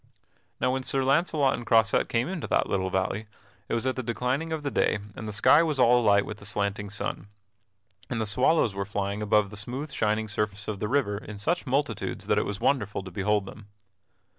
Now when Sir Launcelot and Croisette came into that little valley it was at the declining of the day and the sky was all alight with the slanting sun, and the swallows were flying above the smooth shining surface of the river in such multitudes that it was wonderful to behold them.